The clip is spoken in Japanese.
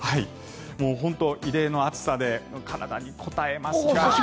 本当に異例の暑さで体にこたえますが。